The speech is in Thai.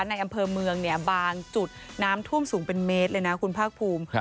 ในอำเภอเมืองเนี่ยบางจุดน้ำท่วมสูงเป็นเมตรเลยนะคุณภาคภูมิ